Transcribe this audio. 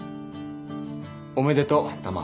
おめでとうタマ。